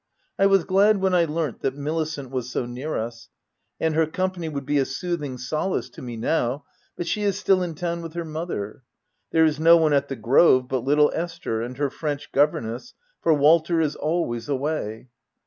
I was glad when I learnt that Milicent was so near us ; and her company would be a soothing solace to me now, but she is still in town with her mother : there is no one at the grove but little Esther and her French governess, for Walter is always away.